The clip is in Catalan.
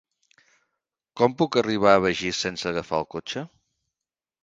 Com puc arribar a Begís sense agafar el cotxe?